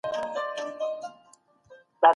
ښــــه ده چـــــي وړه